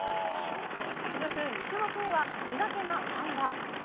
続く２種目目は苦手なあん馬。